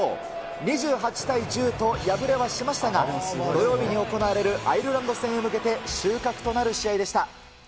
２８対１０と敗れはしましたが、土曜日に行われるアイルランド戦へ向けて収穫となる試合でした。